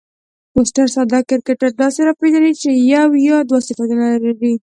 فوسټر ساده کرکټر داسي راپېژني، چي یو یا دوه صفتونه لري.